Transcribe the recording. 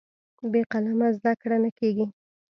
بې قلمه زده کړه نه کېږي.